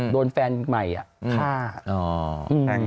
โดนแฟนใหม่ฆ่า